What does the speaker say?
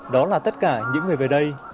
đó là tất cả những người về đây